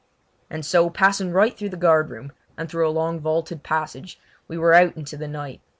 And so, passing right through the guard room, and through a long vaulted passage, we were out into the night.